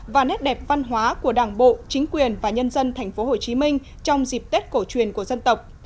và nét đẹp văn hóa của đảng bộ chính quyền và nhân dân tp hcm trong dịp tết cổ truyền của dân tộc